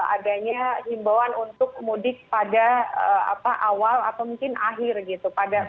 adanya himbauan untuk mudik pada awal atau mungkin akhir gitu